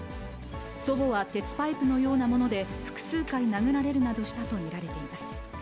祖母は鉄パイプのようなもので複数回殴られるなどしたと見られています。